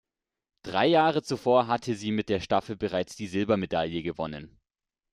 Drei Jahre zuvor hatte sie mit der Staffel bereits die Silbermedaille gewonnen.